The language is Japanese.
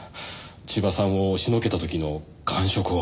千葉さんを押しのけた時の感触を。